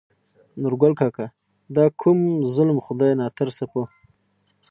نورګل کاکا : دا کوم ظلم خداى ناترسه په